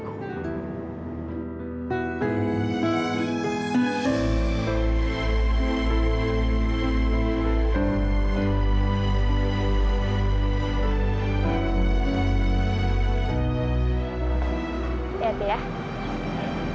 aku juga anak supervision